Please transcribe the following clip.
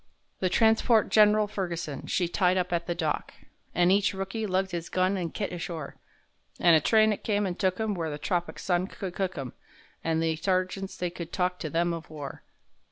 The transport Gen'ral Ferguson, she tied up at the dock, An' each rookie lugged his gun an' kit ashore, An' a train it come and took 'em where the tropic sun could cook 'em,— An' the sergeants they could talk to them of war.